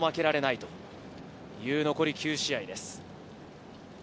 という残り９試合です。